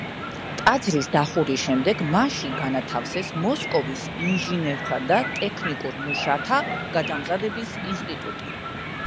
ტაძრის დახურვის შემდეგ მასში განათავსეს მოსკოვის ინჟინერთა და ტექნიკურ მუშათა გადამზადების ინსტიტუტი.